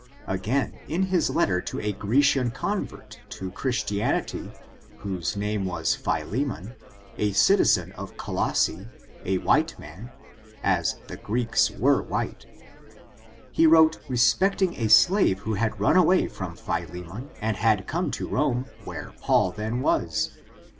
Again, in his letter to a Grecian convert to Chris tianity, whose name was Philemon, a citizen of Col osse, a white man, as the Greeks were white, he wrote respecting a slave who had run away from Philemon and had come to Rome, where Paul then was.